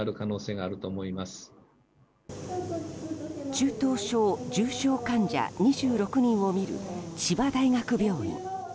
中等症・重症患者２６人を診る千葉大学病院。